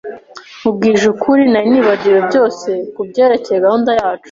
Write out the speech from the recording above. Nkubwije ukuri, nari nibagiwe byose kubyerekeye gahunda yacu.